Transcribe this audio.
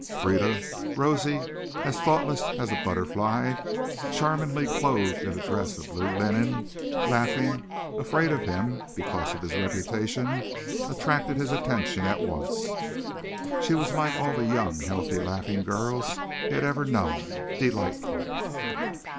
Frieda, rosy, as thoughtless as a butterfly, charmingly clothed in a dress of blue linen, laughing, afraid of him because of his reputation, attracted his attention at once. She was like all the young, healthy, laughing girls he had ever known, delightful.